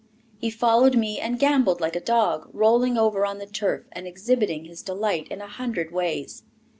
He followed me and gambolled like a dog, rolling over on the turf and exhibiting his delight in a hundred ways.